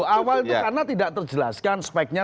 awalnya karena tidak terjelaskan speknya